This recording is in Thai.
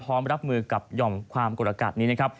พร้อมรับมือกับหย่อมความกดอากาศนี้นะครับ